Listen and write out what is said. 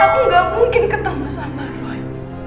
aku gak mungkin ketemu sama roy